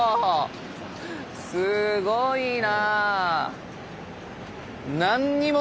すごいな！